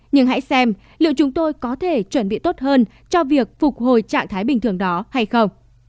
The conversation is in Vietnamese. nhưng hãy xem liệu chúng tôi có thể chuẩn bị tốt hơn cho việc phục hồi trạng thái bình thường đó hay không